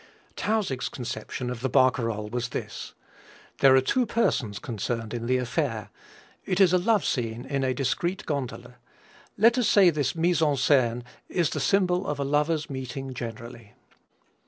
Tausig's conception of the barcarolle was this: "There are two persons concerned in the affair; it is a love scene in a discrete gondola; let us say this mise en scene is the symbol of a lover's meeting generally."